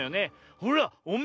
ほらおめえ